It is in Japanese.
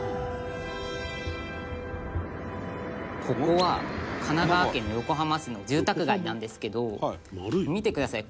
「ここは神奈川県横浜市の住宅街なんですけど見てください。